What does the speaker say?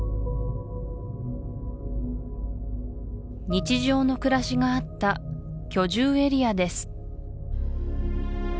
日常の暮らしがあった居住エリアです